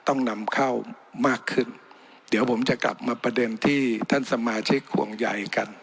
ต้องนำเข้ามากขึ้นเดี๋ยวผมจะกลับมาประเด็นที่ท่านสมาชิกห่วงใยกัน